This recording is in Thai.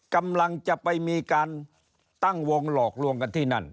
กำลังจะไปมีการตั้งวงหลอกลวงกันที่นั่น